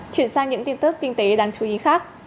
chuyển sang những tin tức kinh tế đáng chú ý khác